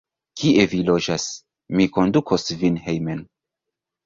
Kie vi loĝas? Mi kondukos vin hejmen.